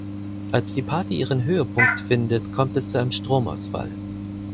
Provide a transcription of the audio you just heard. Als die Party ihren Höhepunkt findet, kommt es zu einem Stromausfall.